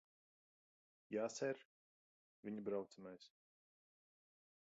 Jā, ser. Viņa braucamais.